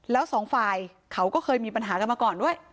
แล้วสองฝ่ายเขาก็เคยมีปัญหากันมาก่อนด้วย